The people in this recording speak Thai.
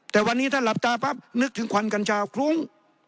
แต่วันนี้ถ้าหลับตาปั๊บนึกถึงควันกัญชาคลุ้ง